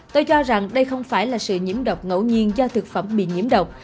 tôi cho rằng đây không phải là sự nhiễm độc ngẫu nhiên do thực phẩm bị nhiễm độc